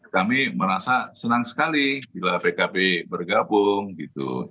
kami merasa senang sekali bila pkb bergabung gitu